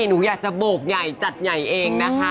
หนูอยากจะโบกใหญ่จัดใหญ่เองนะคะ